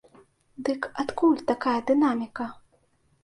Дык адкуль такая дынаміка?